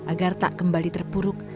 agar tak kembali terpuruk